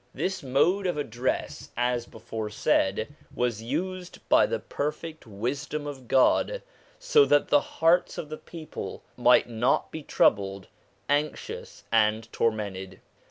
This mode of address, as before said, was used by the perfect wisdom of God, so that the hearts of the people might not be troubled, anxious, and tormented.